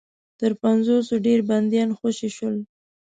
تر پنځوسو ډېر بنديان خوشي شول.